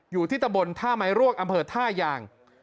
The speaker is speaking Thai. อยู่ที่ตะบนท่าไม้รวกอำเภอท่ายาง